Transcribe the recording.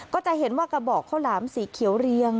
ก็จะเห็นว่ากระบอกข้าวหลามสีเขียวเรียง